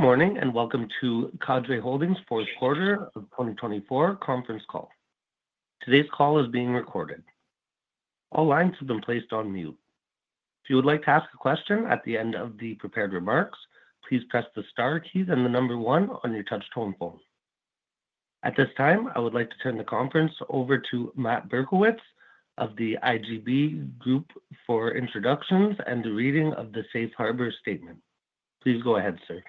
Good morning and welcome to Cadre Holdings' fourth quarter of 2024 conference call. Today's call is being recorded. All lines have been placed on mute. If you would like to ask a question at the end of the prepared remarks, please press the star keys and the number one on your touch-tone phone. At this time, I would like to turn the conference over to Matt Berkowitz of the IGB Group for introductions and the reading of the Safe Harbor Statement. Please go ahead, sir.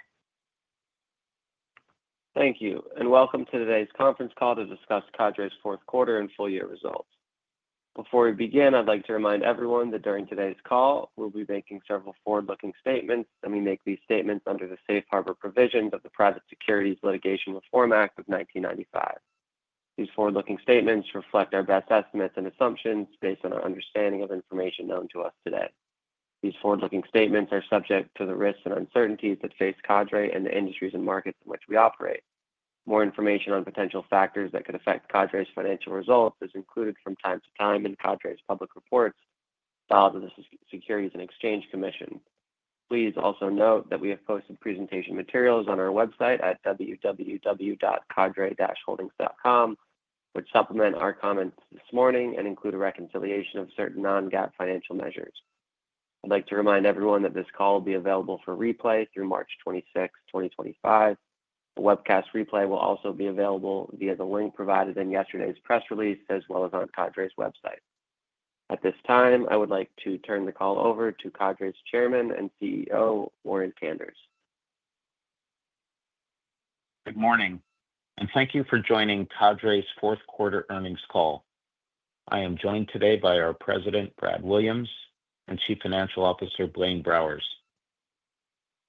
Thank you, and welcome to today's conference call to discuss Cadre's fourth quarter and full-year results. Before we begin, I'd like to remind everyone that during today's call, we'll be making several forward-looking statements. Let me make these statements under the Safe Harbor provisions of the Private Securities Litigation Reform Act of 1995. These forward-looking statements reflect our best estimates and assumptions based on our understanding of information known to us today. These forward-looking statements are subject to the risks and uncertainties that face Cadre and the industries and markets in which we operate. More information on potential factors that could affect Cadre's financial results is included from time to time in Cadre's public reports filed with the Securities and Exchange Commission. Please also note that we have posted presentation materials on our website at www.cadre-holdings.com, which supplement our comments this morning and include a reconciliation of certain non-GAAP financial measures. I'd like to remind everyone that this call will be available for replay through March 26, 2025. A webcast replay will also be available via the link provided in yesterday's press release as well as on Cadre's website. At this time, I would like to turn the call over to Cadre's Chairman and CEO, Warren Kanders. Good morning, and thank you for joining Cadre's fourth quarter earnings call. I am joined today by our President, Brad Williams, and Chief Financial Officer, Blaine Browers.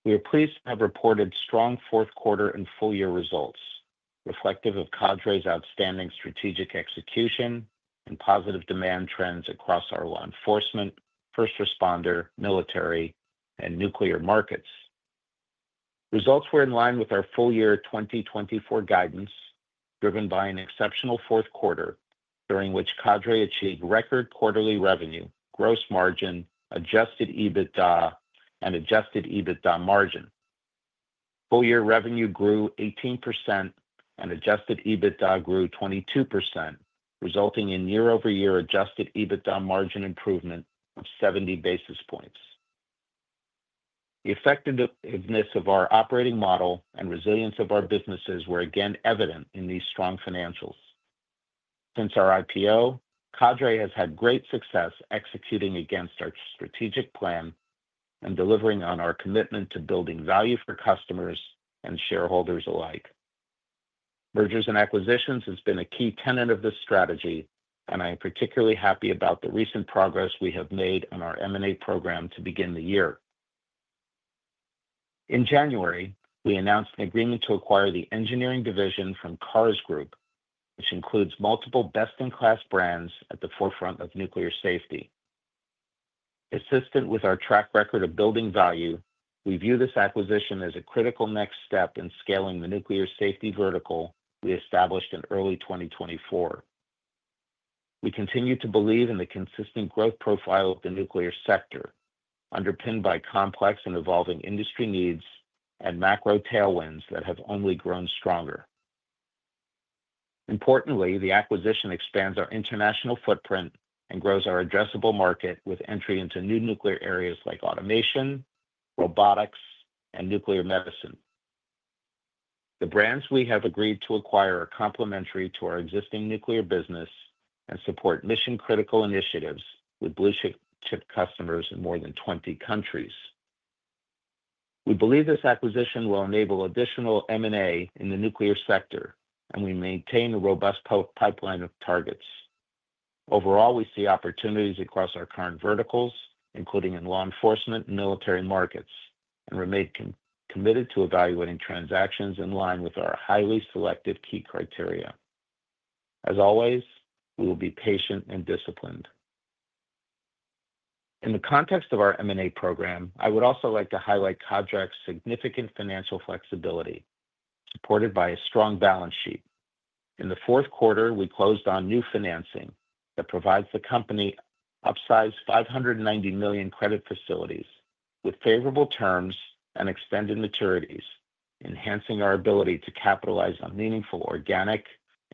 We are pleased to have reported strong fourth quarter and full-year results, reflective of Cadre's outstanding strategic execution and positive demand trends across our law enforcement, first responder, military, and nuclear markets. Results were in line with our full-year 2024 guidance, driven by an exceptional fourth quarter, during which Cadre achieved record quarterly revenue, gross margin, adjusted EBITDA, and adjusted EBITDA margin. Full-year revenue grew 18%, and adjusted EBITDA grew 22%, resulting in year-over-year adjusted EBITDA margin improvement of 70 basis points. The effectiveness of our operating model and resilience of our businesses were again evident in these strong financials. Since our IPO, Cadre has had great success executing against our strategic plan and delivering on our commitment to building value for customers and shareholders alike. Mergers and acquisitions have been a key tenet of this strategy, and I am particularly happy about the recent progress we have made on our M&A program to begin the year. In January, we announced an agreement to acquire the engineering division from Carr's Group, which includes multiple best-in-class brands at the forefront of nuclear safety. Consistent with our track record of building value, we view this acquisition as a critical next step in scaling the nuclear safety vertical we established in early 2024. We continue to believe in the consistent growth profile of the nuclear sector, underpinned by complex and evolving industry needs and macro tailwinds that have only grown stronger. Importantly, the acquisition expands our international footprint and grows our addressable market with entry into new nuclear areas like automation, robotics, and nuclear medicine. The brands we have agreed to acquire are complementary to our existing nuclear business and support mission-critical initiatives with blue-chip customers in more than 20 countries. We believe this acquisition will enable additional M&A in the nuclear sector, and we maintain a robust pipeline of targets. Overall, we see opportunities across our current verticals, including in law enforcement and military markets, and remain committed to evaluating transactions in line with our highly selective key criteria. As always, we will be patient and disciplined. In the context of our M&A program, I would also like to highlight Cadre's significant financial flexibility, supported by a strong balance sheet. In the fourth quarter, we closed on new financing that provides the company upsized $590 million credit facilities with favorable terms and extended maturities, enhancing our ability to capitalize on meaningful organic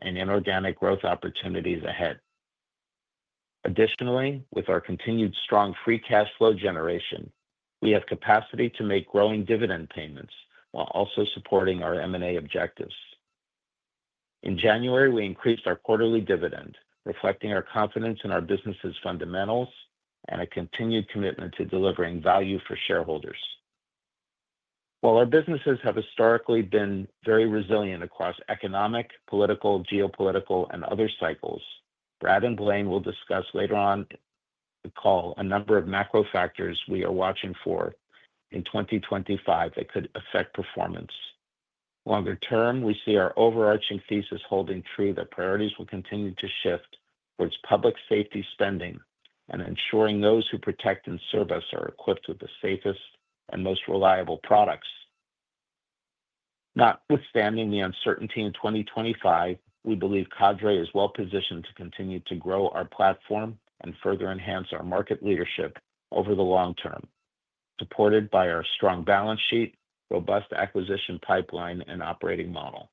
and inorganic growth opportunities ahead. Additionally, with our continued strong free cash flow generation, we have capacity to make growing dividend payments while also supporting our M&A objectives. In January, we increased our quarterly dividend, reflecting our confidence in our business's fundamentals and a continued commitment to delivering value for shareholders. While our businesses have historically been very resilient across economic, political, geopolitical, and other cycles, Brad and Blaine will discuss later on the call a number of macro factors we are watching for in 2025 that could affect performance. Longer term, we see our overarching thesis holding true that priorities will continue to shift towards public safety spending and ensuring those who protect and serve us are equipped with the safest and most reliable products. Notwithstanding the uncertainty in 2025, we believe Cadre is well positioned to continue to grow our platform and further enhance our market leadership over the long term, supported by our strong balance sheet, robust acquisition pipeline, and operating model.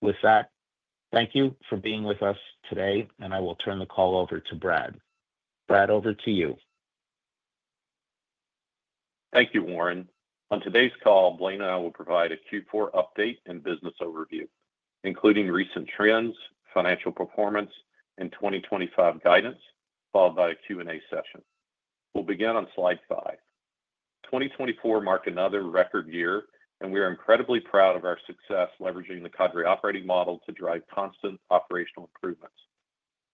With that, thank you for being with us today, and I will turn the call over to Brad. Brad, over to you. Thank you, Warren. On today's call, Blaine and I will provide a Q4 update and business overview, including recent trends, financial performance, and 2025 guidance, followed by a Q&A session. We'll begin on slide five. 2024 marked another record year, and we are incredibly proud of our success leveraging the Cadre operating model to drive constant operational improvements.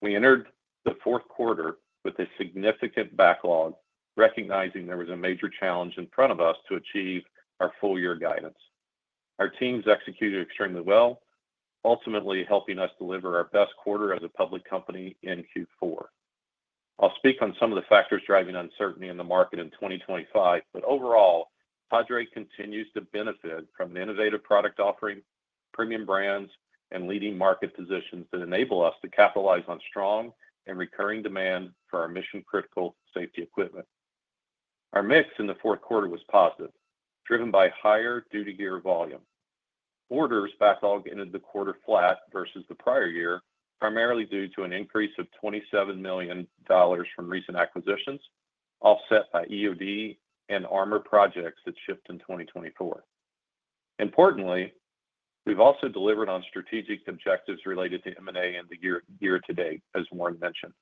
We entered the fourth quarter with a significant backlog, recognizing there was a major challenge in front of us to achieve our full-year guidance. Our teams executed extremely well, ultimately helping us deliver our best quarter as a public company in Q4. I'll speak on some of the factors driving uncertainty in the market in 2025, but overall, Cadre continues to benefit from innovative product offering, premium brands, and leading market positions that enable us to capitalize on strong and recurring demand for our mission-critical safety equipment. Our mix in the fourth quarter was positive, driven by higher duty gear volume. Order backlog ended the quarter flat versus the prior year, primarily due to an increase of $27 million from recent acquisitions, offset by EOD and armor projects that shipped in 2024. Importantly, we've also delivered on strategic objectives related to M&A and the year-to-date, as Warren mentioned.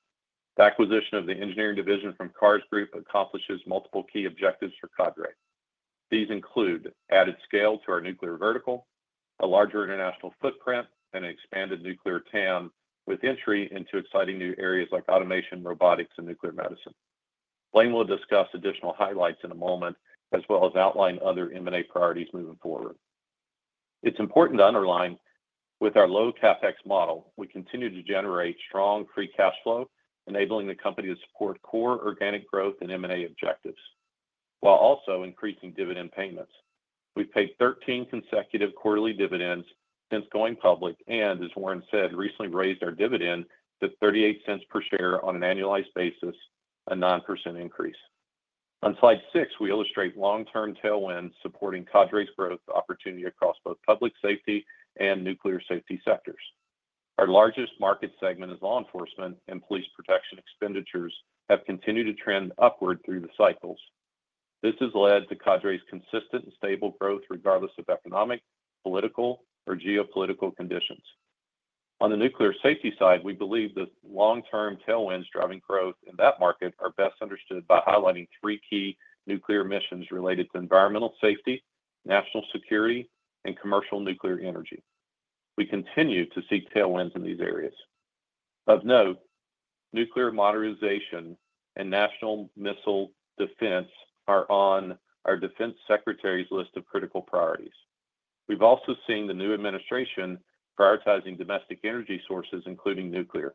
The acquisition of the engineering division from Carr's Group accomplishes multiple key objectives for Cadre. These include added scale to our nuclear vertical, a larger international footprint, and an expanded nuclear TAM with entry into exciting new areas like automation, robotics, and nuclear medicine. Blaine will discuss additional highlights in a moment, as well as outline other M&A priorities moving forward. It's important to underline, with our low CapEx model, we continue to generate strong free cash flow, enabling the company to support core organic growth and M&A objectives, while also increasing dividend payments. We've paid 13 consecutive quarterly dividends since going public and, as Warren said, recently raised our dividend to $0.38 per share on an annualized basis, a 9% increase. On slide six, we illustrate long-term tailwinds supporting Cadre's growth opportunity across both public safety and nuclear safety sectors. Our largest market segment is law enforcement and police protection expenditures, which have continued to trend upward through the cycles. This has led to Cadre's consistent and stable growth regardless of economic, political, or geopolitical conditions. On the nuclear safety side, we believe the long-term tailwinds driving growth in that market are best understood by highlighting three key nuclear missions related to environmental safety, national security, and commercial nuclear energy. We continue to seek tailwinds in these areas. Of note, nuclear modernization and national missile defense are on our Defense Secretary's list of critical priorities. We've also seen the new administration prioritizing domestic energy sources, including nuclear.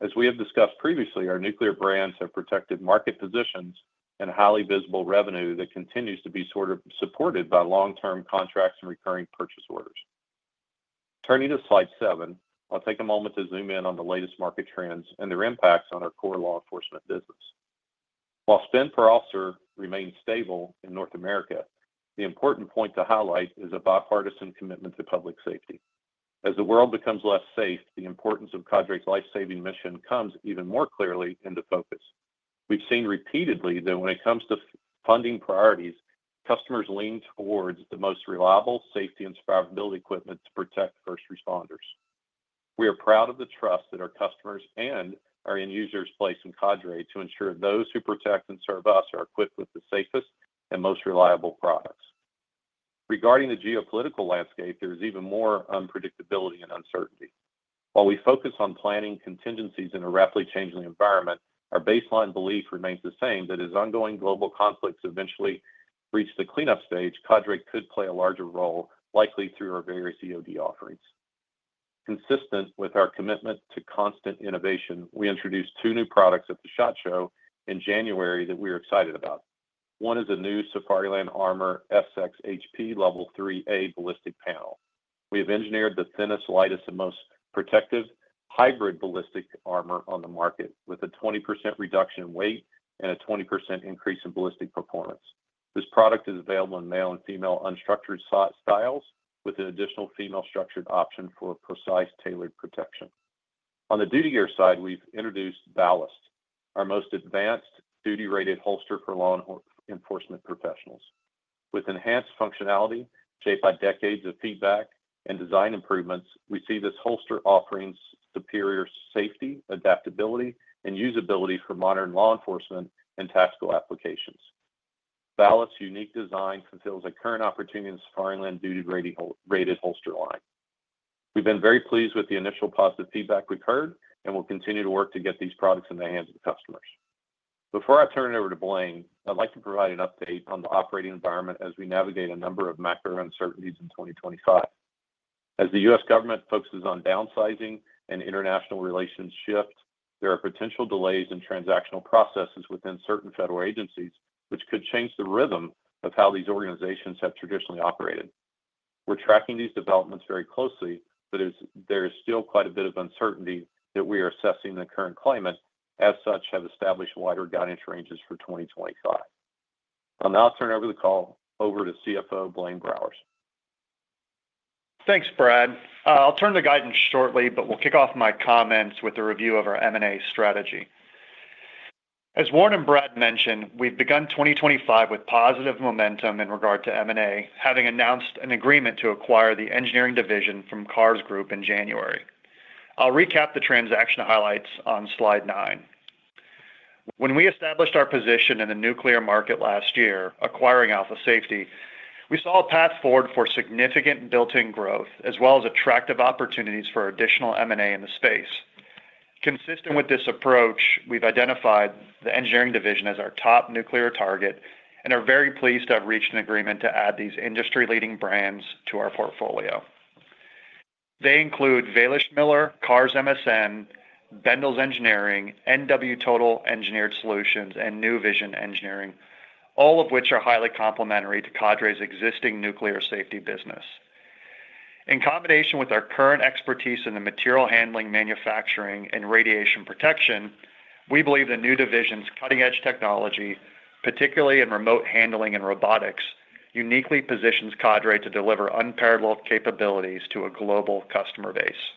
As we have discussed previously, our nuclear brands have protected market positions and highly visible revenue that continues to be sort of supported by long-term contracts and recurring purchase orders. Turning to slide seven, I'll take a moment to zoom in on the latest market trends and their impacts on our core law enforcement business. While spend per officer remains stable in North America, the important point to highlight is a bipartisan commitment to public safety. As the world becomes less safe, the importance of Cadre's lifesaving mission comes even more clearly into focus. We've seen repeatedly that when it comes to funding priorities, customers lean towards the most reliable, safety, and survivability equipment to protect first responders. We are proud of the trust that our customers and our end users place in Cadre to ensure those who protect and serve us are equipped with the safest and most reliable products. Regarding the geopolitical landscape, there is even more unpredictability and uncertainty. While we focus on planning contingencies in a rapidly changing environment, our baseline belief remains the same that as ongoing global conflicts eventually reach the cleanup stage, Cadre could play a larger role, likely through our various EOD offerings. Consistent with our commitment to constant innovation, we introduced two new products at the SHOT Show in January that we are excited about. One is a new Safariland Armor APEX HP Level 3A ballistic panel. We have engineered the thinnest, lightest, and most protective hybrid ballistic armor on the market, with a 20% reduction in weight and a 20% increase in ballistic performance. This product is available in male and female unstructured styles, with an additional female-structured option for precise tailored protection. On the duty gear side, we've introduced Valis, our most advanced duty-rated holster for law enforcement professionals. With enhanced functionality shaped by decades of feedback and design improvements, we see this holster offering superior safety, adaptability, and usability for modern law enforcement and tactical applications. Valis'ss unique design fulfills a current opportunity in Safariland duty-rated holster line. We've been very pleased with the initial positive feedback we've heard and will continue to work to get these products in the hands of customers. Before I turn it over to Blaine, I'd like to provide an update on the operating environment as we navigate a number of macro uncertainties in 2025. As the U.S. government focuses on downsizing and international relations shift, there are potential delays in transactional processes within certain federal agencies, which could change the rhythm of how these organizations have traditionally operated. We're tracking these developments very closely, but there is still quite a bit of uncertainty that we are assessing in the current climate, as such have established wider guidance ranges for 2025. I'll now turn the call over to CFO Blaine Browers. Thanks, Brad. I'll turn to the guidance shortly, but we'll kick off my comments with a review of our M&A strategy. As Warren and Brad mentioned, we've begun 2025 with positive momentum in regard to M&A, having announced an agreement to acquire the engineering division from Carr's Group in January. I'll recap the transaction highlights on slide nine. When we established our position in the nuclear market last year, acquiring Alpha Safety, we saw a path forward for significant built-in growth, as well as attractive opportunities for additional M&A in the space. Consistent with this approach, we've identified the engineering division as our top nuclear target and are very pleased to have reached an agreement to add these industry-leading brands to our portfolio. They include Wälischmiller Engineering, Carrs MSM, Bendalls Engineering, NW Total Engineered Solutions, and NuVision Engineering, all of which are highly complementary to Cadre's existing nuclear safety business. In combination with our current expertise in the material handling, manufacturing, and radiation protection, we believe the new division's cutting-edge technology, particularly in remote handling and robotics, uniquely positions Cadre to deliver unparalleled capabilities to a global customer base.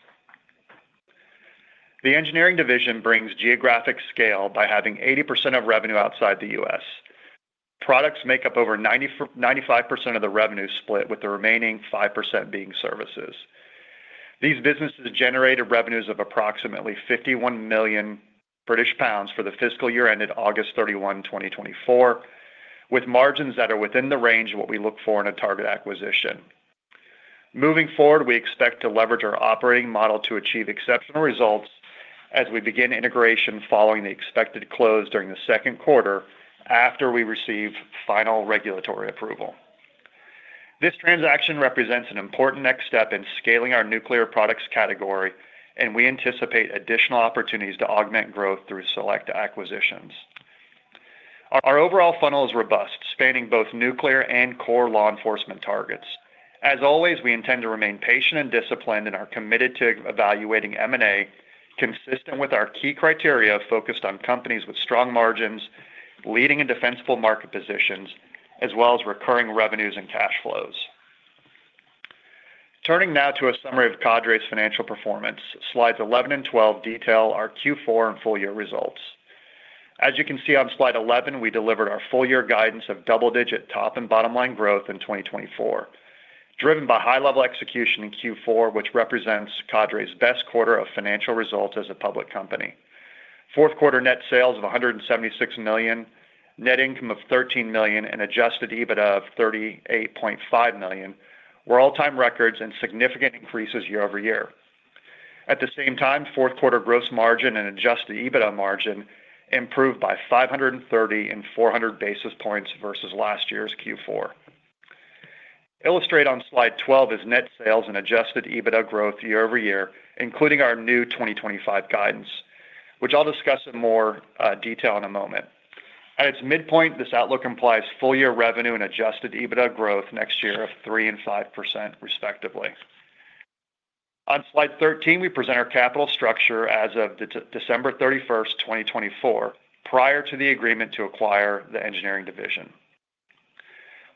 The engineering division brings geographic scale by having 80% of revenue outside the U.S. Products make up over 95% of the revenue split, with the remaining 5% being services. These businesses generated revenues of approximately 51 million British pounds for the fiscal year ended August 31, 2024, with margins that are within the range of what we look for in a target acquisition. Moving forward, we expect to leverage our operating model to achieve exceptional results as we begin integration following the expected close during the second quarter after we receive final regulatory approval. This transaction represents an important next step in scaling our nuclear products category, and we anticipate additional opportunities to augment growth through select acquisitions. Our overall funnel is robust, spanning both nuclear and core law enforcement targets. As always, we intend to remain patient and disciplined and are committed to evaluating M&A consistent with our key criteria focused on companies with strong margins, leading and defensible market positions, as well as recurring revenues and cash flows. Turning now to a summary of Cadre's financial performance, slides 11 and 12 detail our Q4 and full-year results. As you can see on slide 11, we delivered our full-year guidance of double-digit top and bottom line growth in 2024, driven by high-level execution in Q4, which represents Cadre's best quarter of financial results as a public company. Fourth quarter net sales of $176 million, net income of $13 million, and adjusted EBITDA of $38.5 million were all-time records and significant increases year over year. At the same time, fourth quarter gross margin and adjusted EBITDA margin improved by 530 and 400 basis points versus last year's Q4. Illustrated on slide 12 is net sales and adjusted EBITDA growth year over year, including our new 2025 guidance, which I'll discuss in more detail in a moment. At its midpoint, this outlook implies full-year revenue and adjusted EBITDA growth next year of 3% and 5%, respectively. On slide 13, we present our capital structure as of December 31, 2024, prior to the agreement to acquire the engineering division.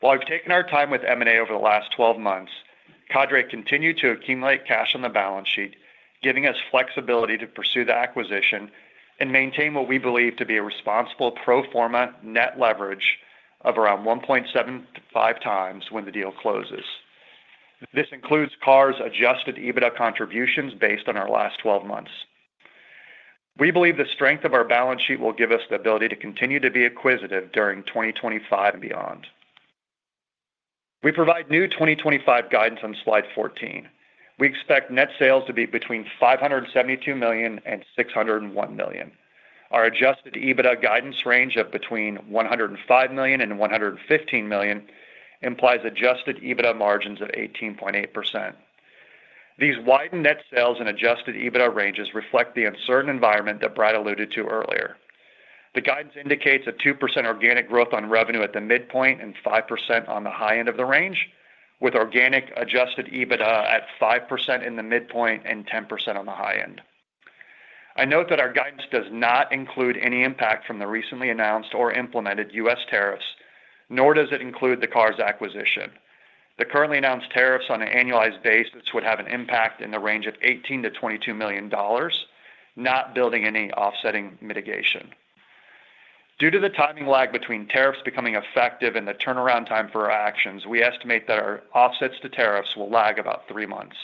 While we've taken our time with M&A over the last 12 months, Cadre continued to accumulate cash on the balance sheet, giving us flexibility to pursue the acquisition and maintain what we believe to be a responsible pro forma net leverage of around 1.75 times when the deal closes. This includes Carr's adjusted EBITDA contributions based on our last 12 months. We believe the strength of our balance sheet will give us the ability to continue to be acquisitive during 2025 and beyond. We provide new 2025 guidance on slide 14. We expect net sales to be between $572 million and $601 million. Our adjusted EBITDA guidance range of between $105 million and $115 million implies adjusted EBITDA margins of 18.8%. These widened net sales and adjusted EBITDA ranges reflect the uncertain environment that Brad alluded to earlier. The guidance indicates a 2% organic growth on revenue at the midpoint and 5% on the high end of the range, with organic adjusted EBITDA at 5% in the midpoint and 10% on the high end. I note that our guidance does not include any impact from the recently announced or implemented U.S. tariffs, nor does it include the Cars acquisition. The currently announced tariffs on an annualized basis would have an impact in the range of $18 million-$22 million, not building any offsetting mitigation. Due to the timing lag between tariffs becoming effective and the turnaround time for our actions, we estimate that our offsets to tariffs will lag about three months.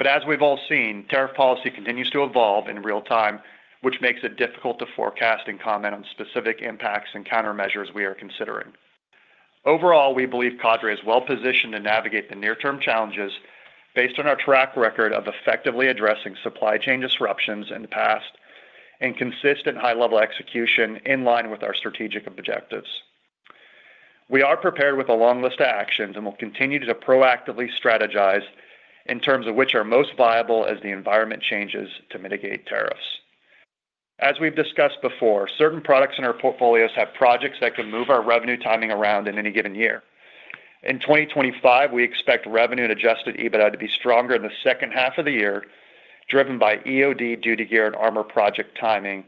As we've all seen, tariff policy continues to evolve in real time, which makes it difficult to forecast and comment on specific impacts and countermeasures we are considering. Overall, we believe Cadre is well positioned to navigate the near-term challenges based on our track record of effectively addressing supply chain disruptions in the past and consistent high-level execution in line with our strategic objectives. We are prepared with a long list of actions and will continue to proactively strategize in terms of which are most viable as the environment changes to mitigate tariffs. As we've discussed before, certain products in our portfolios have projects that can move our revenue timing around in any given year. In 2025, we expect revenue and adjusted EBITDA to be stronger in the second half of the year, driven by EOD duty gear and armor project timing,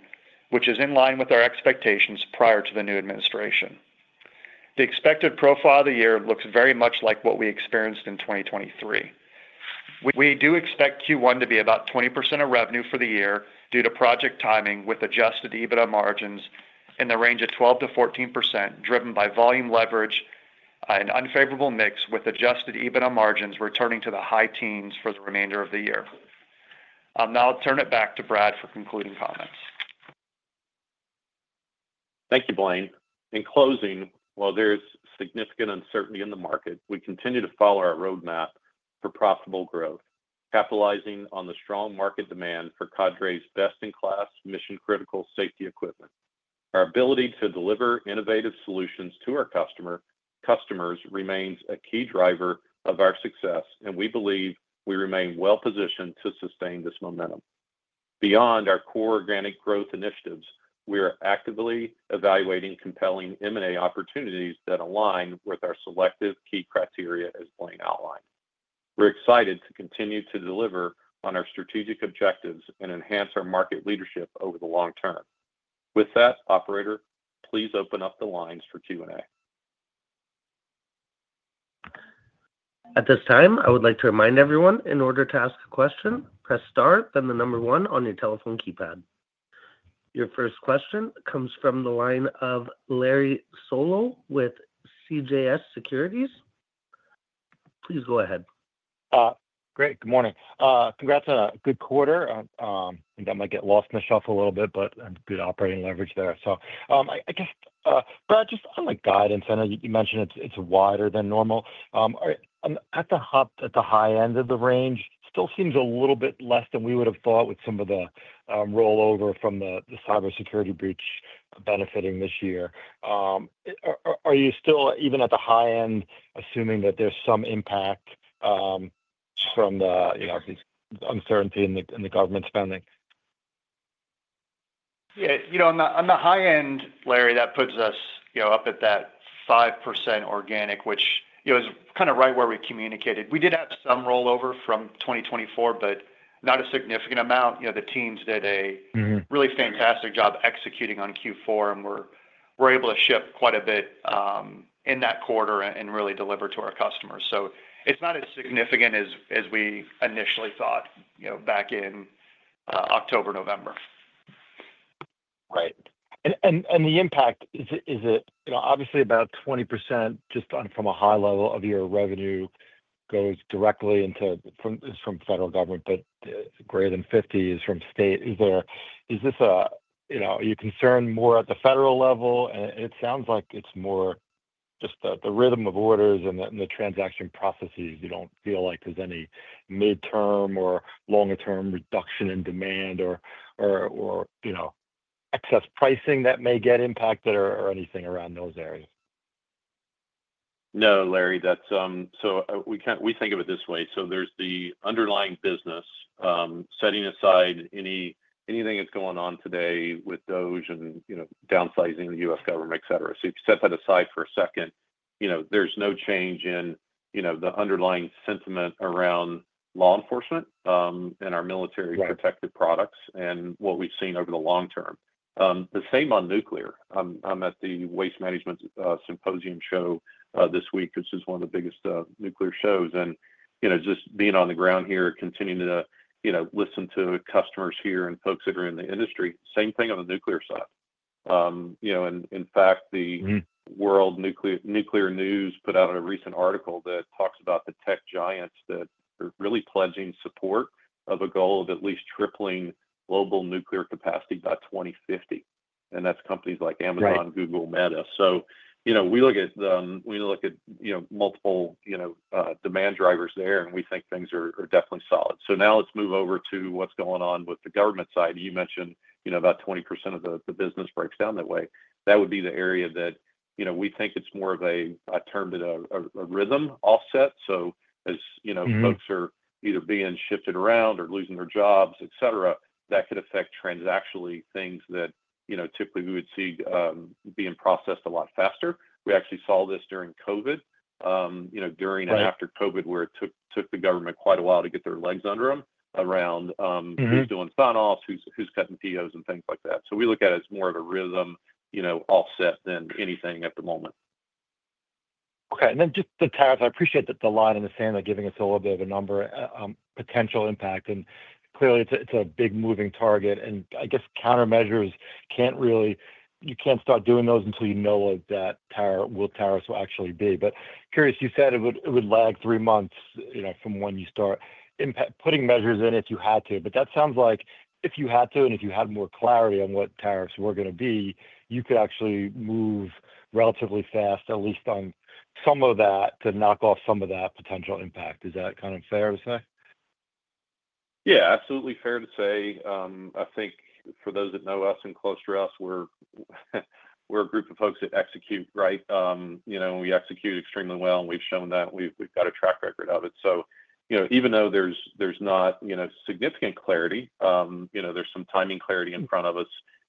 which is in line with our expectations prior to the new administration. The expected profile of the year looks very much like what we experienced in 2023. We do expect Q1 to be about 20% of revenue for the year due to project timing with adjusted EBITDA margins in the range of 12-14%, driven by volume leverage and unfavorable mix with adjusted EBITDA margins returning to the high teens for the remainder of the year. Now I'll turn it back to Brad for concluding comments. Thank you, Blaine. In closing, while there is significant uncertainty in the market, we continue to follow our roadmap for profitable growth, capitalizing on the strong market demand for Cadre's best-in-class mission-critical safety equipment. Our ability to deliver innovative solutions to our customers remains a key driver of our success, and we believe we remain well positioned to sustain this momentum. Beyond our core organic growth initiatives, we are actively evaluating compelling M&A opportunities that align with our selective key criteria as Blaine outlined. We're excited to continue to deliver on our strategic objectives and enhance our market leadership over the long term. With that, operator, please open up the lines for Q&A. At this time, I would like to remind everyone in order to ask a question, press * then the number 1 on your telephone keypad. Your first question comes from the line of Larry Solow with CJS Securities. Please go ahead. Great. Good morning. Congrats on a good quarter. I think I might get lost in the shuffle a little bit, but good operating leverage there. I guess, Brad, just on guidance, I know you mentioned it's wider than normal. At the high end of the range, still seems a little bit less than we would have thought with some of the rollover from the cybersecurity breach benefiting this year. Are you still even at the high end, assuming that there's some impact from the uncertainty in the government spending? Yeah. On the high end, Larry, that puts us up at that 5% organic, which is kind of right where we communicated. We did have some rollover from 2024, but not a significant amount. The teams did a really fantastic job executing on Q4, and we were able to shift quite a bit in that quarter and really deliver to our customers. It is not as significant as we initially thought back in October, November. Right. The impact is it obviously about 20% just from a high level of your revenue goes directly from federal government, but greater than 50 is from state. Is this a concern more at the federal level? It sounds like it's more just the rhythm of orders and the transaction processes. You don't feel like there's any midterm or longer-term reduction in demand or excess pricing that may get impacted or anything around those areas? No, Larry, we think of it this way. There's the underlying business, setting aside anything that's going on today with DOGE and downsizing the U.S. government, etc. If you set that aside for a second, there's no change in the underlying sentiment around law enforcement and our military protective products and what we've seen over the long term. The same on nuclear. I'm at the Waste Management Symposium show this week, which is one of the biggest nuclear shows. Just being on the ground here, continuing to listen to customers here and folks that are in the industry, same thing on the nuclear side. In fact, World Nuclear News put out a recent article that talks about the tech giants that are really pledging support of a goal of at least tripling global nuclear capacity by 2050. That's companies like Amazon, Google, Meta. We look at multiple demand drivers there, and we think things are definitely solid. Now let's move over to what's going on with the government side. You mentioned about 20% of the business breaks down that way. That would be the area that we think is more of a turned in a rhythm offset. As folks are either being shifted around or losing their jobs, etc., that could affect transactionally things that typically we would see being processed a lot faster. We actually saw this during COVID, during and after COVID, where it took the government quite a while to get their legs under them around who's doing sign-offs, who's cutting POs, and things like that. We look at it as more of a rhythm offset than anything at the moment. Okay. And then just the tariffs, I appreciate that the line in the sand is giving us a little bit of a number, potential impact. Clearly, it's a big moving target. I guess countermeasures can't really—you can't start doing those until you know what that tariff will actually be. Curious, you said it would lag three months from when you start putting measures in if you had to. That sounds like if you had to and if you had more clarity on what tariffs were going to be, you could actually move relatively fast, at least on some of that, to knock off some of that potential impact. Is that kind of fair to say? Yeah, absolutely fair to say. I think for those that know us and close to us, we're a group of folks that execute right. We execute extremely well, and we've shown that. We've got a track record of it. Even though there's not significant clarity, there's some timing clarity in front of us.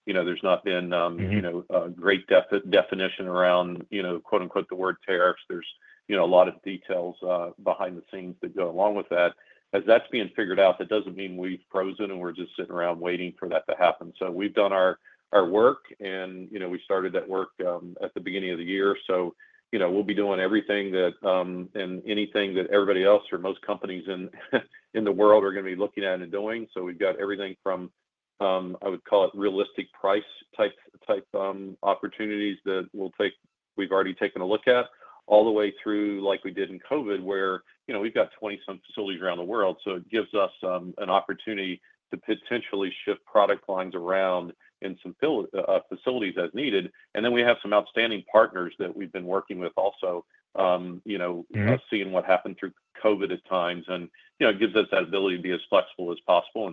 There's not been a great definition around the word tariffs. There's a lot of details behind the scenes that go along with that. As that's being figured out, that doesn't mean we've frozen and we're just sitting around waiting for that to happen. We've done our work, and we started that work at the beginning of the year. We'll be doing everything and anything that everybody else or most companies in the world are going to be looking at and doing. We have got everything from, I would call it, realistic price type opportunities that we have already taken a look at, all the way through like we did in COVID, where we have 20-some facilities around the world. It gives us an opportunity to potentially shift product lines around in some facilities as needed. We have some outstanding partners that we have been working with also, seeing what happened through COVID at times. It gives us that ability to be as flexible as possible.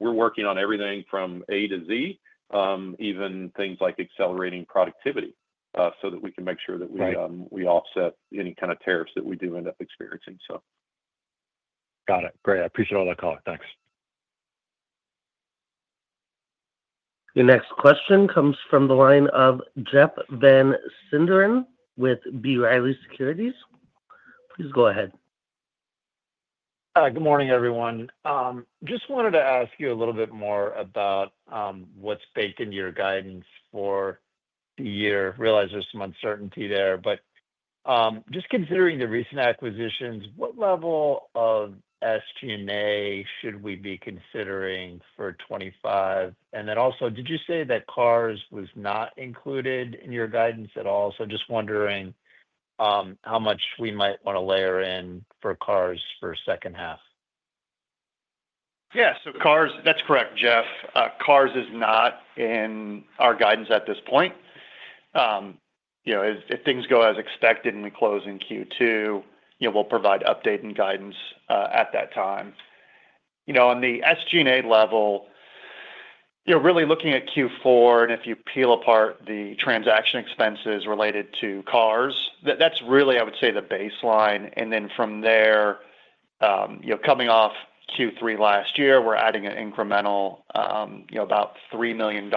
We are working on everything from A to Z, even things like accelerating productivity so that we can make sure that we offset any kind of tariffs that we do end up experiencing. Got it. Great. I appreciate all that comment. Thanks. The next question comes from the line of Jeff Van Sinderen with B. Riley Securities. Please go ahead. Hi. Good morning, everyone. Just wanted to ask you a little bit more about what's baked in your guidance for the year. Realize there's some uncertainty there. Just considering the recent acquisitions, what level of SG&A should we be considering for 2025? Also, did you say that Cars was not included in your guidance at all? Just wondering how much we might want to layer in for Cars for second half. Yeah. Cars, that's correct, Jeff. Cars is not in our guidance at this point. If things go as expected and we close in Q2, we'll provide update and guidance at that time. On the SG&A level, really looking at Q4, and if you peel apart the transaction expenses related to Cars, that's really, I would say, the baseline. From there, coming off Q3 last year, we're adding an incremental about $3 million,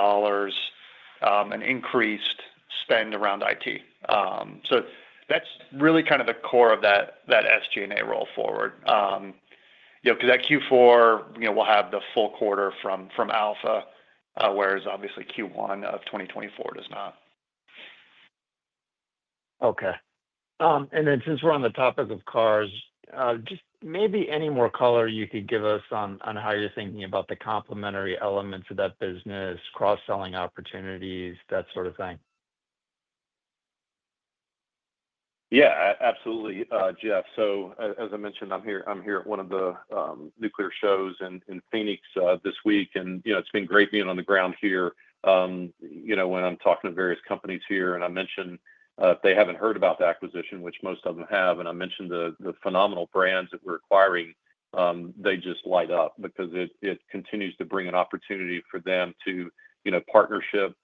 an increased spend around IT. That's really kind of the core of that SG&A roll forward. At Q4, we'll have the full quarter from Alpha, whereas obviously Q1 of 2024 does not. Okay. Since we're on the topic of Cars, just maybe any more color you could give us on how you're thinking about the complementary elements of that business, cross-selling opportunities, that sort of thing. Yeah. Absolutely, Jeff. As I mentioned, I'm here at one of the nuclear shows in Phoenix this week. It's been great being on the ground here when I'm talking to various companies here. I mentioned they haven't heard about the acquisition, which most of them have. I mentioned the phenomenal brands that we're acquiring, they just light up because it continues to bring an opportunity for them to partnership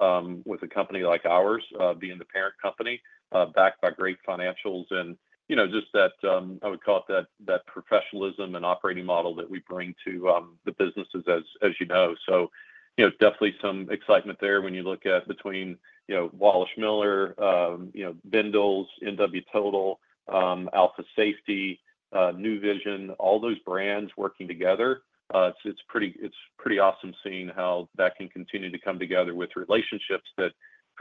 with a company like ours, being the parent company, backed by great financials. Just that, I would call it that professionalism and operating model that we bring to the businesses, as you know. Definitely some excitement there when you look at between Wälischmiller, Bendalls, NW Total, Alpha Safety, NuVision, all those brands working together. It's pretty awesome seeing how that can continue to come together with relationships that,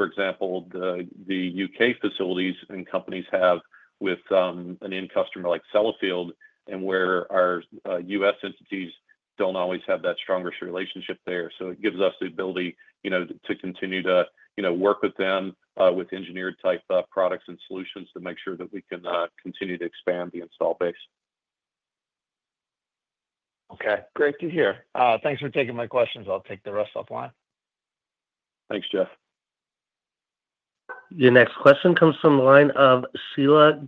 for example, the U.K. facilities and companies have with an end customer like Sellafield, and where our U.S. entities don't always have that strongest relationship there. It gives us the ability to continue to work with them with engineered-type products and solutions to make sure that we can continue to expand the install base. Okay. Great to hear. Thanks for taking my questions. I'll take the rest offline. Thanks, Jeff. Your next question comes from the line of Sheila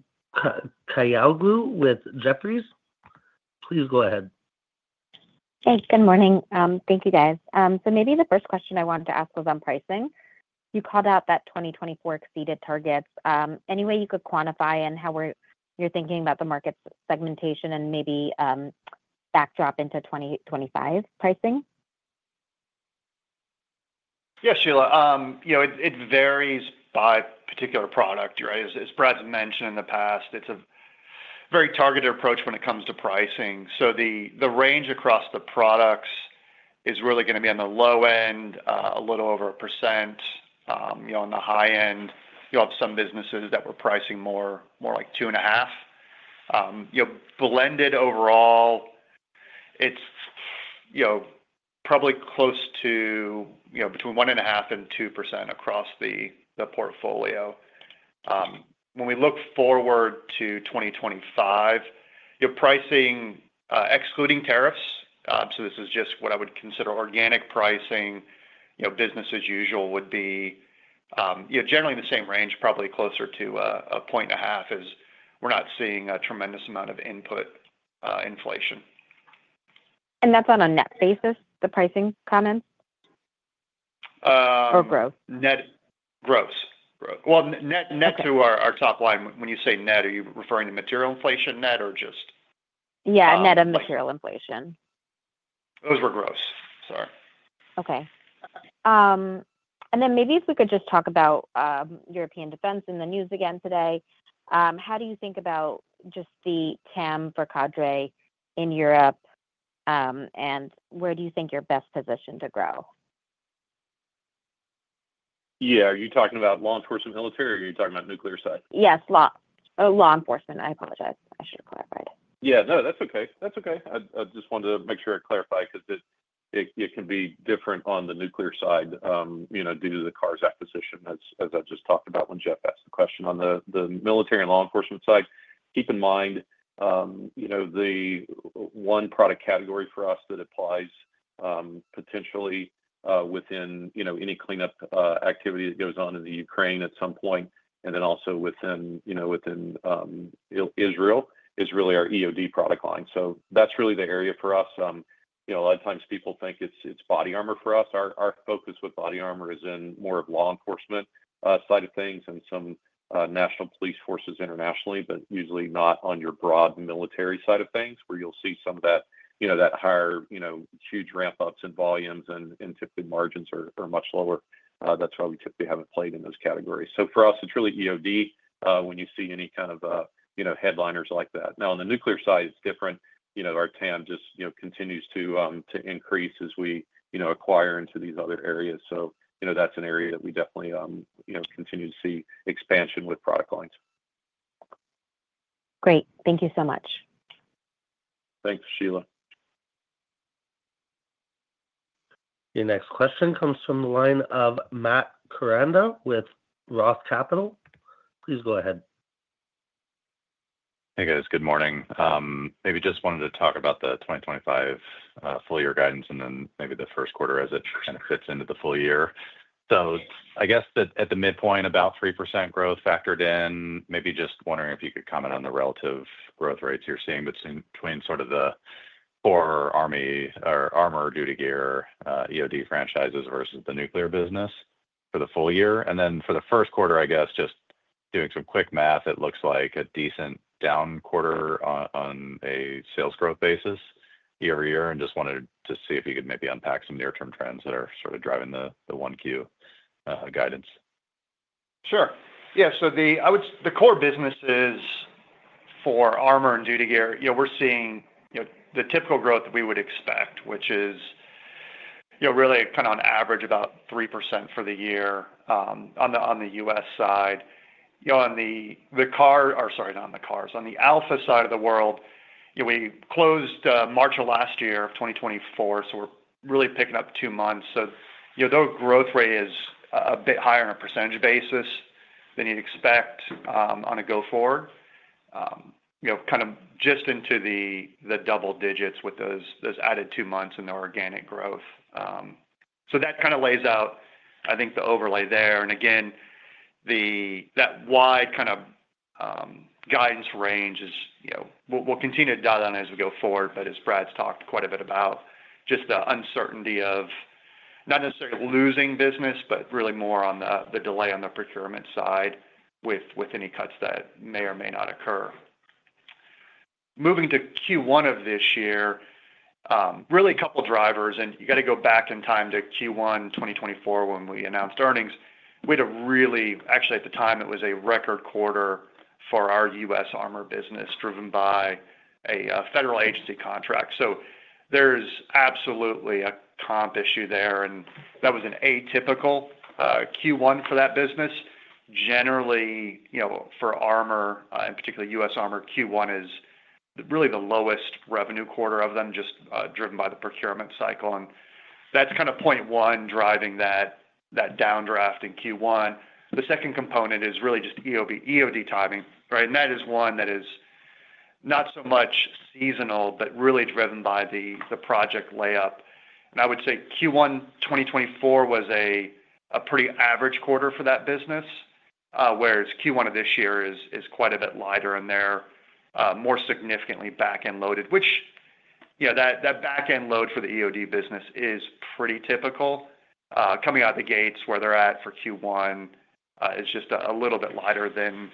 Kahyaoglu with Jefferies. Please go ahead. Thanks. Good morning. Thank you, guys. Maybe the first question I wanted to ask was on pricing. You called out that 2024 exceeded targets. Any way you could quantify and how you're thinking about the market segmentation and maybe backdrop into 2025 pricing? Yeah, Sheila. It varies by particular product, right? As Brad's mentioned in the past, it's a very targeted approach when it comes to pricing. The range across the products is really going to be on the low end, a little over 1%. On the high end, you'll have some businesses that we're pricing more like 2.5%. Blended overall, it's probably close to between 1.5% and 2% across the portfolio. When we look forward to 2025, pricing excluding tariffs, so this is just what I would consider organic pricing, business as usual would be generally in the same range, probably closer to a point and a half, as we're not seeing a tremendous amount of input inflation. Is that on a net basis, the pricing comments or gross? Net gross. Net to our top line. When you say net, are you referring to material inflation net or just? Yeah, net of material inflation. Those were gross. Sorry. Okay. Maybe if we could just talk about European defense in the news again today. How do you think about just the TAM for Cadre in Europe, and where do you think you're best positioned to grow? Yeah. Are you talking about law enforcement military, or are you talking about nuclear side? Yes, law enforcement. I apologize. I should have clarified. Yeah. No, that's okay. That's okay. I just wanted to make sure I clarify because it can be different on the nuclear side due to the Carr's Group acquisition, as I just talked about when Jeff asked the question on the military and law enforcement side. Keep in mind the one product category for us that applies potentially within any cleanup activity that goes on in the Ukraine at some point, and then also within Israel, is really our EOD product line. That's really the area for us. A lot of times people think it's body armor for us. Our focus with body armor is in more of law enforcement side of things and some national police forces internationally, but usually not on your broad military side of things, where you'll see some of that higher huge ramp-ups and volumes, and typically margins are much lower. That's why we typically haven't played in those categories. For us, it's really EOD when you see any kind of headliners like that. Now, on the nuclear side, it's different. Our TAM just continues to increase as we acquire into these other areas. That's an area that we definitely continue to see expansion with product lines. Great. Thank you so much. Thanks, Sheila. Your next question comes from the line of Matt Koranda with Roth Capital. Please go ahead. Hey, guys. Good morning. Maybe just wanted to talk about the 2025 full-year guidance and then maybe the first quarter as it kind of fits into the full year. I guess that at the midpoint, about 3% growth factored in. Maybe just wondering if you could comment on the relative growth rates you're seeing between sort of the core armor duty gear EOD franchises versus the nuclear business for the full year. For the first quarter, I guess, just doing some quick math, it looks like a decent down quarter on a sales growth basis year over year. Just wanted to see if you could maybe unpack some near-term trends that are sort of driving the Q1 guidance. Sure. Yeah. The core businesses for armor and duty gear, we're seeing the typical growth that we would expect, which is really kind of on average about 3% for the year on the U.S. side. On the Alpha side of the world, we closed March of last year of 2024, so we're really picking up two months. The growth rate is a bit higher on a percentage basis than you'd expect on a go-forward, kind of just into the double digits with those added two months and the organic growth. That kind of lays out, I think, the overlay there. That wide kind of guidance range is we'll continue to dial down as we go forward, but as Brad's talked quite a bit about, just the uncertainty of not necessarily losing business, but really more on the delay on the procurement side with any cuts that may or may not occur. Moving to Q1 of this year, really a couple of drivers. You got to go back in time to Q1 2024 when we announced earnings. We had a really actually, at the time, it was a record quarter for our US armor business driven by a federal agency contract. There's absolutely a comp issue there. That was an atypical Q1 for that business. Generally, for armor, and particularly US armor, Q1 is really the lowest revenue quarter of them, just driven by the procurement cycle. That's kind of point one driving that downdraft in Q1. The second component is really just EOD timing, right? That is one that is not so much seasonal, but really driven by the project layup. I would say Q1 2024 was a pretty average quarter for that business, whereas Q1 of this year is quite a bit lighter and they're more significantly back-end loaded, which that back-end load for the EOD business is pretty typical. Coming out of the gates where they're at for Q1 is just a little bit lighter than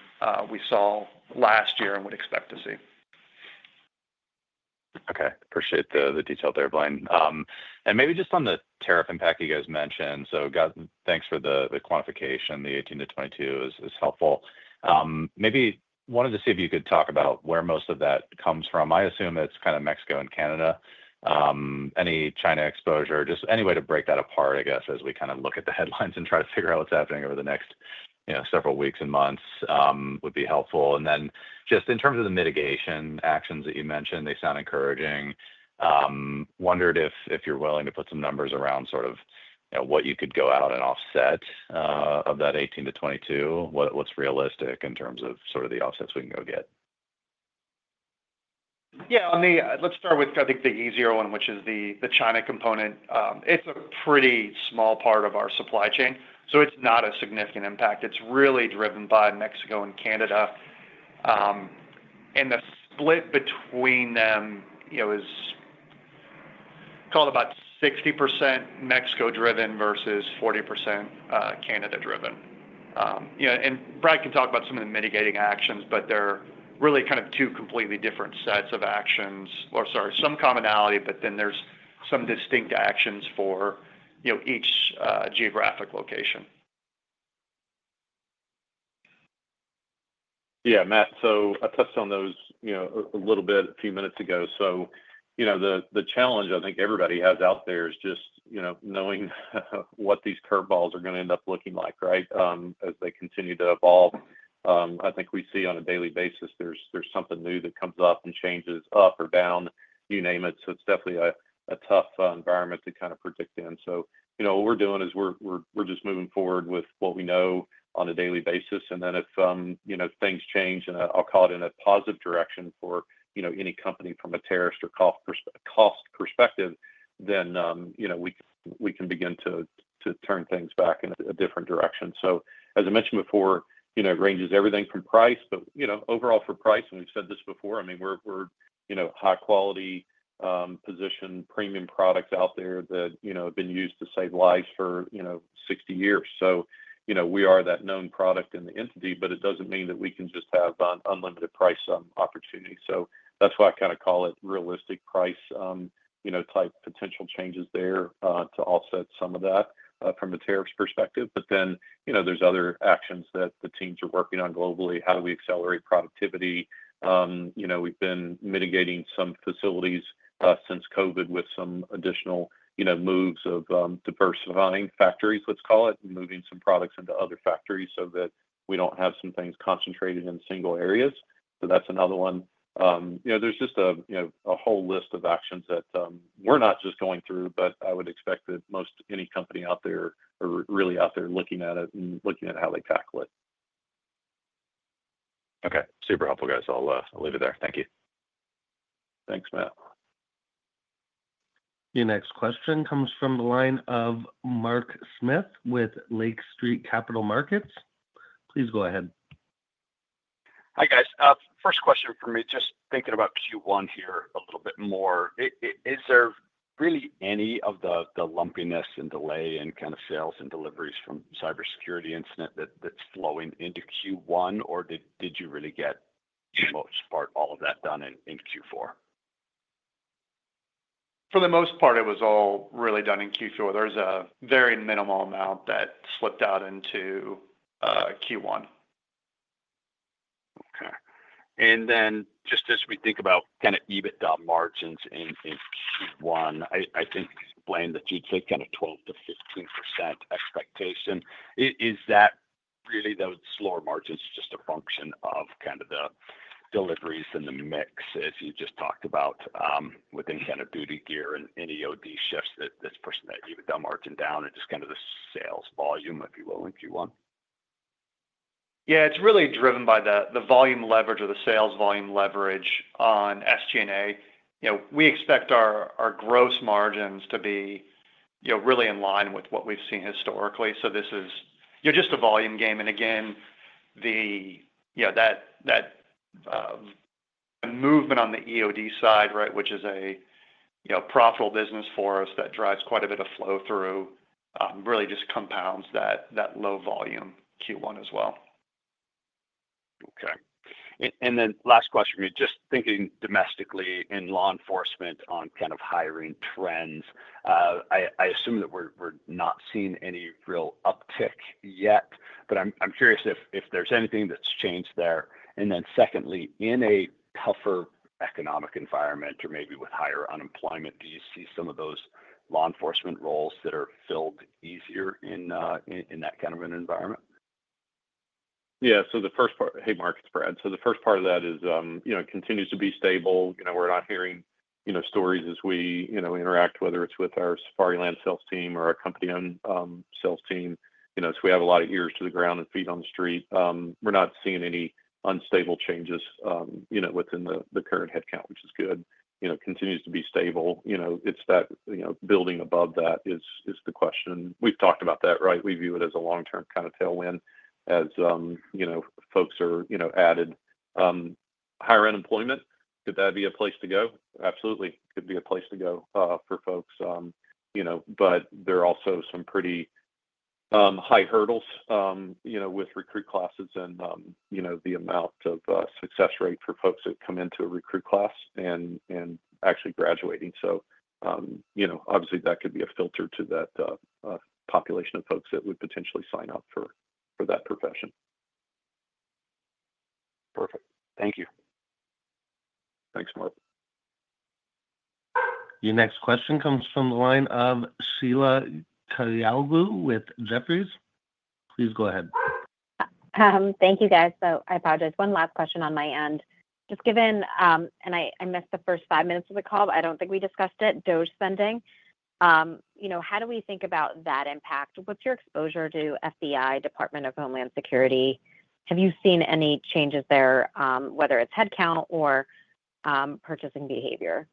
we saw last year and would expect to see. Okay. Appreciate the detail there, Blaine. Maybe just on the tariff impact you guys mentioned. Thanks for the quantification. The 18-22 is helpful. Maybe wanted to see if you could talk about where most of that comes from. I assume it's kind of Mexico and Canada. Any China exposure, just any way to break that apart, I guess, as we kind of look at the headlines and try to figure out what's happening over the next several weeks and months would be helpful. In terms of the mitigation actions that you mentioned, they sound encouraging. Wondered if you're willing to put some numbers around sort of what you could go out on an offset of that 18-22, what's realistic in terms of sort of the offsets we can go get. Yeah. Let's start with, I think, the easier one, which is the China component. It's a pretty small part of our supply chain. It's not a significant impact. It's really driven by Mexico and Canada. The split between them is, call it, about 60% Mexico-driven versus 40% Canada-driven. Brad can talk about some of the mitigating actions, but they're really kind of two completely different sets of actions. Sorry, some commonality, but then there's some distinct actions for each geographic location. Yeah, Matt. I touched on those a little bit a few minutes ago. The challenge I think everybody has out there is just knowing what these curveballs are going to end up looking like, right, as they continue to evolve. I think we see on a daily basis, there's something new that comes up and changes up or down, you name it. It's definitely a tough environment to kind of predict in. What we're doing is we're just moving forward with what we know on a daily basis. If things change, and I'll call it in a positive direction for any company from a terrorist or cost perspective, then we can begin to turn things back in a different direction. As I mentioned before, it ranges everything from price, but overall for price, and we've said this before, I mean, we're high-quality position, premium products out there that have been used to save lives for 60 years. We are that known product in the entity, but it doesn't mean that we can just have unlimited price opportunity. That's why I kind of call it realistic price-type potential changes there to offset some of that from the tariffs perspective. There are other actions that the teams are working on globally. How do we accelerate productivity? We've been mitigating some facilities since COVID with some additional moves of diversifying factories, let's call it, and moving some products into other factories so that we don't have some things concentrated in single areas. That's another one. There's just a whole list of actions that we're not just going through, but I would expect that most any company out there are really out there looking at it and looking at how they tackle it. Okay. Super helpful, guys. I'll leave it there. Thank you. Thanks, Matt. Your next question comes from the line of Mark Smith with Lake Street Capital Markets. Please go ahead. Hi, guys. First question for me, just thinking about Q1 here a little bit more. Is there really any of the lumpiness and delay in kind of sales and deliveries from cybersecurity incident that's flowing into Q1, or did you really get for the most part all of that done in Q4? For the most part, it was all really done in Q4. There was a very minimal amount that slipped out into Q1. Okay. And then just as we think about kind of EBITDA margins in Q1, I think, Blaine, that you'd say kind of 12-15% expectation. Is that really those slower margins just a function of kind of the deliveries and the mix, as you just talked about, within kind of duty gear and EOD shifts that this person that EBITDA margin down and just kind of the sales volume, if you will, in Q1? Yeah. It's really driven by the volume leverage or the sales volume leverage on SG&A. We expect our gross margins to be really in line with what we've seen historically. This is just a volume game. Again, that movement on the EOD side, right, which is a profitable business for us that drives quite a bit of flow through, really just compounds that low volume Q1 as well. Okay. And then last question for me, just thinking domestically in law enforcement on kind of hiring trends, I assume that we're not seeing any real uptick yet, but I'm curious if there's anything that's changed there. Secondly, in a tougher economic environment or maybe with higher unemployment, do you see some of those law enforcement roles that are filled easier in that kind of an environment? Yeah. The first part, hey, Mark and Brad, the first part of that is it continues to be stable. We're not hearing stories as we interact, whether it's with our Safariland sales team or our company-owned sales team. We have a lot of ears to the ground and feet on the street. We're not seeing any unstable changes within the current headcount, which is good. Continues to be stable. It's that building above that is the question. We've talked about that, right? We view it as a long-term kind of tailwind as folks are added. Higher unemployment, could that be a place to go? Absolutely. Could be a place to go for folks. There are also some pretty high hurdles with recruit classes and the amount of success rate for folks that come into a recruit class and actually graduating. Obviously, that could be a filter to that population of folks that would potentially sign up for that profession. Perfect. Thank you. Thanks, Mark. Your next question comes from the line of Sheila Kahyaoglu with Jefferies. Please go ahead. Thank you, guys. I apologize. One last question on my end. Just given—and I missed the first five minutes of the call, but I do not think we discussed it—DOGE spending. How do we think about that impact? What is your exposure to FBI, Department of Homeland Security? Have you seen any changes there, whether it is headcount or purchasing behavior?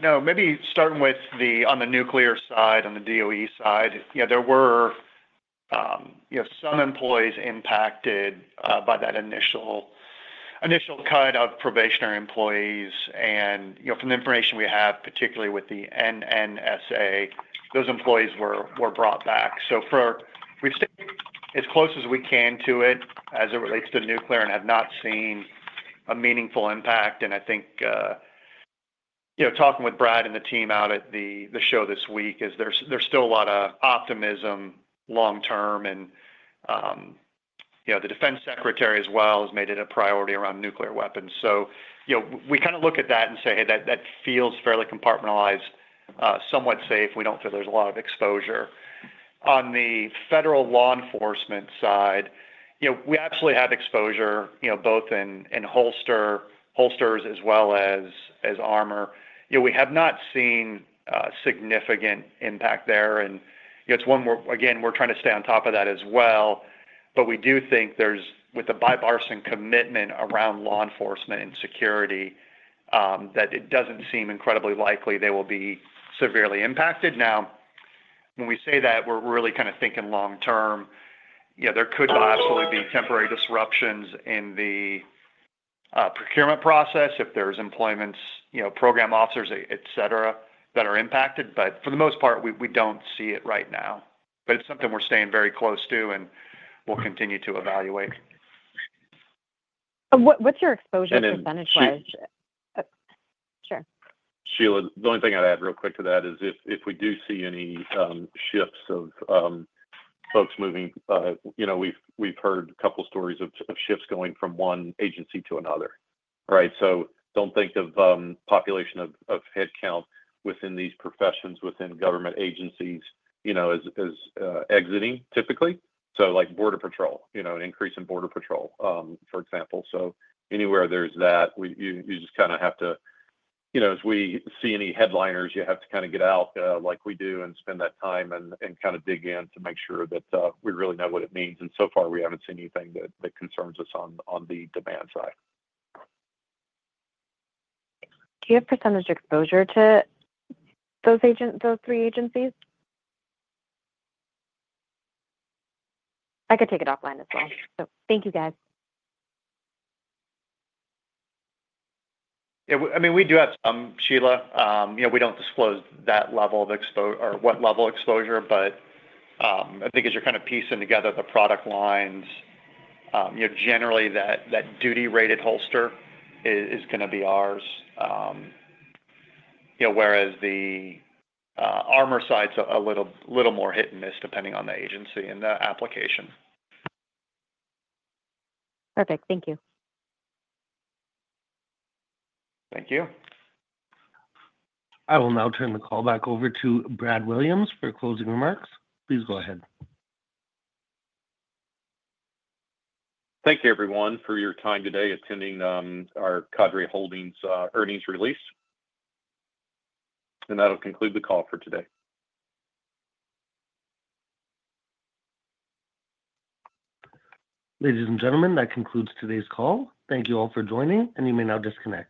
No. Maybe starting with the on the nuclear side, on the DOE side, yeah, there were some employees impacted by that initial cut of probationary employees. From the information we have, particularly with the NNSA, those employees were brought back. We have stayed as close as we can to it as it relates to nuclear and have not seen a meaningful impact. I think talking with Brad and the team out at the show this week is there's still a lot of optimism long-term. The Defense Secretary as well has made it a priority around nuclear weapons. We kind of look at that and say, "Hey, that feels fairly compartmentalized, somewhat safe. We do not feel there is a lot of exposure." On the federal law enforcement side, we absolutely have exposure both in holsters as well as armor. We have not seen significant impact there. It is one where again, we are trying to stay on top of that as well. We do think there is, with the bipartisan and commitment around law enforcement and security, that it does not seem incredibly likely they will be severely impacted. When we say that, we are really kind of thinking long-term. There could absolutely be temporary disruptions in the procurement process if there are employments, program officers, etc., that are impacted. For the most part, we do not see it right now. It is something we are staying very close to, and we will continue to evaluate. What's your exposure percentage-wise? Sure. Sheila, the only thing I'd add real quick to that is if we do see any shifts of folks moving, we've heard a couple of stories of shifts going from one agency to another, right? Do not think of population of headcount within these professions within government agencies as exiting typically. Like border patrol, an increase in border patrol, for example. Anywhere there's that, you just kind of have to—as we see any headliners, you have to kind of get out like we do and spend that time and kind of dig in to make sure that we really know what it means. So far, we haven't seen anything that concerns us on the demand side. Do you have percentage exposure to those three agencies? I could take it offline as well. Thank you, guys. Yeah. I mean, we do have some, Sheila. We don't disclose that level of exposure or what level of exposure, but I think as you're kind of piecing together the product lines, generally, that duty-rated holster is going to be ours, whereas the armor side's a little more hit and miss depending on the agency and the application. Perfect. Thank you. Thank you. I will now turn the call back over to Brad Williams for closing remarks. Please go ahead. Thank you, everyone, for your time today attending our Cadre Holdings earnings release. That'll conclude the call for today. Ladies and gentlemen, that concludes today's call. Thank you all for joining, and you may now disconnect.